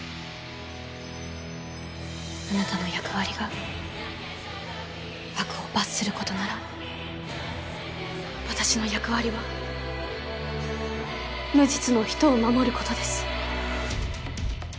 あなたの役割が悪を罰することなら私の役割は無実の人を護ることです。